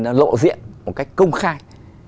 nó lộ diện một cách công khai